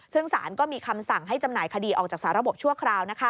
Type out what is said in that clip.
ซึ่งสารก็มีคำสั่งให้จำหน่ายคดีออกจากสาระบบชั่วคราว